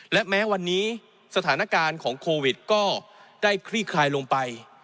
และแม้วันนี้สถานการณ์ของโควิดก็ได้คลี่คลายลงไป